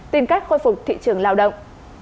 tìm cách khôi phục thị trường lao động